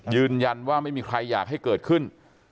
ยืนยันว่าไม่มีใครอยากให้เกิดขึ้น